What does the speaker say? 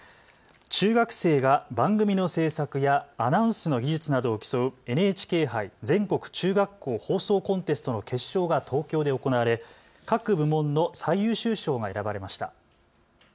中学生が番組の制作やアナウンスの技術などを競うＮＨＫ杯全国中学校放送コンテストの決勝が東京で行われ各部門の最優秀賞が選ばれました。